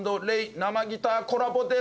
生ギターコラボです。